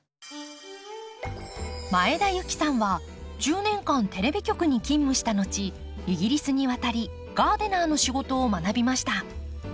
前田有紀さんは１０年間テレビ局に勤務した後イギリスに渡りガーデナーの仕事を学びました。